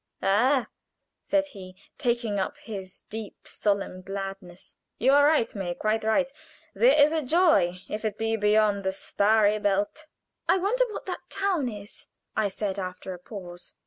"Ah!" said he, taking up its deep, solemn gladness, "you are right, May quite right. There is a joy, if it be 'beyond the starry belt.'" "I wonder what that town is?" I said, after a pause.